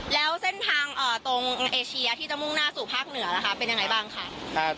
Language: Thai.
แล้วเส้นทางตรงเอเชียที่จะมุ่งหน้าสู่ภาคเหนือนะคะเป็นยังไงบ้างคะ